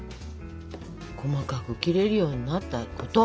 細かく切れるようになったこと。